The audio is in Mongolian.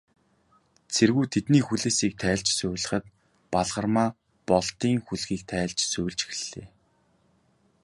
Цэргүүд тэдний хүлээсийг тайлж, сувилахад, Балгармаа Болдын хүлгийг тайлж сувилж эхэллээ.